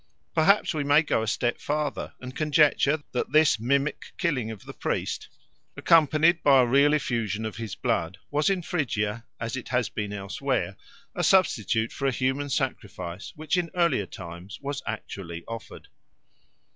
Perhaps we may go a step farther and conjecture that this mimic killing of the priest, accompanied by a real effusion of his blood, was in Phrygia, as it has been elsewhere, a substitute for a human sacrifice which in earlier times was actually offered.